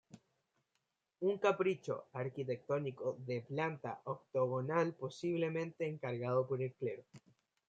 Un capricho arquitectónico de planta octogonal posiblemente encargado por el Clero.